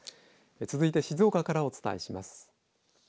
続いて静岡からお伝えします。